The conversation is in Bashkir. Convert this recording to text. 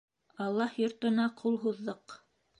Аллаһ йортона ҡул һуҙҙыҡ!